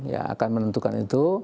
ya akan menentukan itu